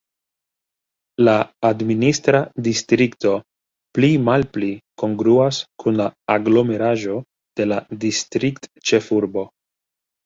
La administra distrikto pli-malpli kongruas kun la aglomeraĵo de la distriktĉefurbo.